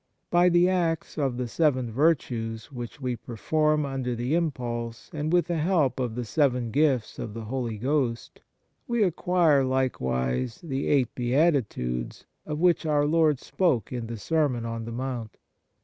By the acts of the seven virtues which we perform under the impulse and with the help of the seven gifts of the Holy Ghost we acquire likewise the eight beati tudes of which our Lord spoke in the Sermon on the Mount.